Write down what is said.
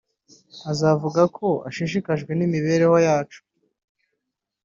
…) Abavuga ko bashishikajwe n’imibereho yacu